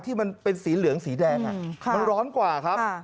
ที่มันเป็นสีเหลืองสีแดงมันร้อนกว่าครับ